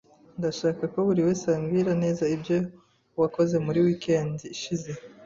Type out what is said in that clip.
Ndashaka ko buriwese ambwira neza ibyo wakoze muri weekend ishize.